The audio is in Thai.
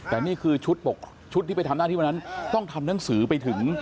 แต่นี่คือชุดที่ไปทำหน้าที่วันนั้นต้องทำหนังสือไปถึง